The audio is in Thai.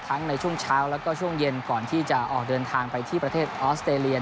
ในช่วงเช้าแล้วก็ช่วงเย็นก่อนที่จะออกเดินทางไปที่ประเทศออสเตรเลีย